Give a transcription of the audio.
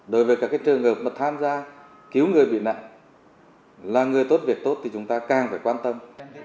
đối với các trường hợp mà tham gia cứu người bị nạn là người tốt việc tốt thì chúng ta càng phải quan tâm